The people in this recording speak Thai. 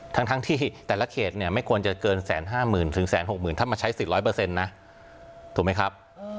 ทั้งทั้งที่แต่ละเขตเนี้ยไม่ควรจะเกินแสนห้าหมื่นถึงแสนหกหมื่นถ้ามาใช้สิบร้อยเปอร์เซ็นต์นะถูกไหมครับอ๋อ